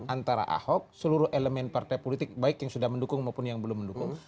antara ahok seluruh elemen partai politik baik yang sudah mendukung maupun yang belum mendukung